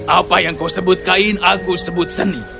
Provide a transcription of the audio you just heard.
apa yang kau sebut kain aku sebut seni